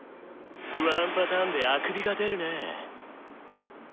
ワンパターンであくびが出るね。